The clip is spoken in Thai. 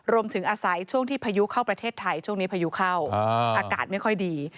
อาศัยช่วงที่พายุเข้าประเทศไทยช่วงนี้พายุเข้าอากาศไม่ค่อยดี